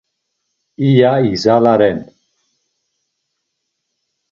iya igzaleren.